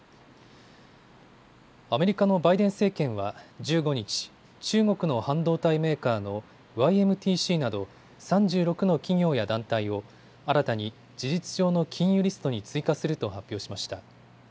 アメリカのバイデン政権は１５日、中国の半導体メーカーのＹＭＴＣなど３６の企業や団体を新たに事実上の禁輸リストに追加すると発表しました。